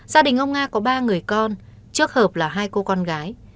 gia đình ông nga có ba người con trước hợp là hai cô con gái